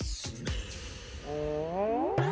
うん？